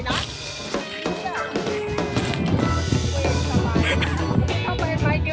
จ้างเนมเข้าไปเลย